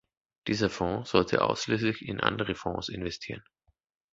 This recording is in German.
Dieser Fonds sollte ausschließlich in andere Fonds investieren.